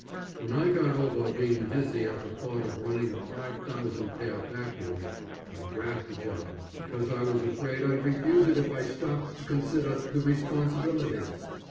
When I got over being dizzy at the thought of running a five thousand pair factory, I grabbed the job, because I was afraid I'd refuse it if I stopped to consider the responsibility.